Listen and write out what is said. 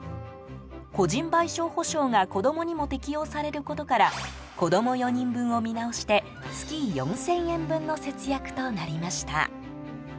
個人賠償保障が子供にも適用されることから子供４人分を見直して月４０００円分の節約となりました。